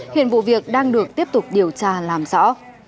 hiện vụ việc đang được tiếp tục điều tra làm rõ